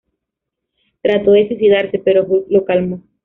Trató de suicidarse, pero Hulk lo calmó.